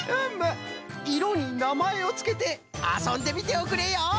いろになまえをつけてあそんでみておくれよ！